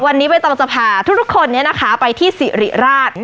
วันนี้ไม่ต้องจะพาทุกคนเนี่ยนะคะไปที่สะริราช